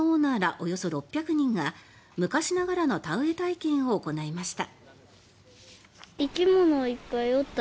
およそ６００人が昔ながらの田植え体験を行いました。